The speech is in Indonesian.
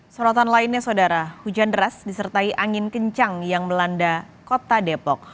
sorotan lainnya saudara hujan deras disertai angin kencang yang melanda kota depok